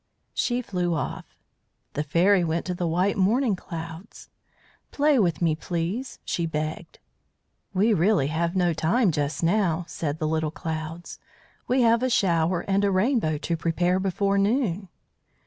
She flew off. The Fairy went to the white morning clouds. "Play with me, please," she begged. "We really have no time just now," said the Little Clouds. "We have a shower and a rainbow to prepare before noon."